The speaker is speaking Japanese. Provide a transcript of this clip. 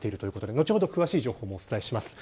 後ほど詳しい状況をお伝えします。